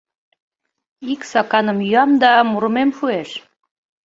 Ик саканым йӱам да мурымем шуэш.